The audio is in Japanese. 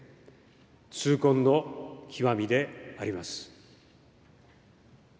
痛恨の極みであります。